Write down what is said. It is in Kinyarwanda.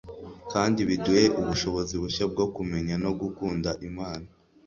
kandi biduhe ubushobozi bushya bwo kumenya no gukunda imana